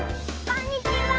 こんにちは。